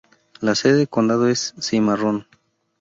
La sede de condado es Cimarron.